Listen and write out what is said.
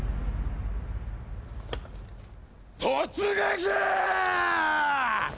突撃‼